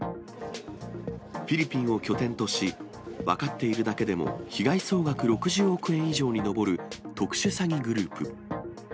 フィリピンを拠点とし、分かっているだけでも被害総額６０億円以上に上る特殊詐欺グループ。